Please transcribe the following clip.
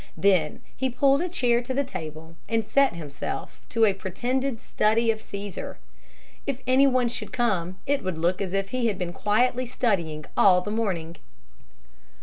Then he pulled a chair to the table and set himself to a pretended study of Cæsar. If any one should come, it would look as if he had been quietly studying all the morning.